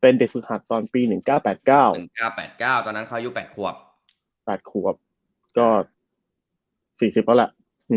เป็นเด็กศึกฮัตตอนปี๑๙๘๙๑๙๘๙ตอนนั้นเขายุ่๘ควบ๘ควบก็๔๐เท่าแหละ